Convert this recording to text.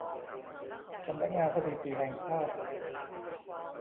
สำนักงานสถิติแห่งชาติ